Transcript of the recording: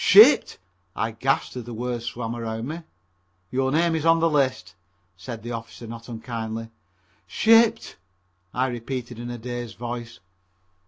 "Shipped!" I gasped as the world swam around me. "Your name is on this list," said the officer not unkindly. "Shipped!" I repeated in a dazed voice.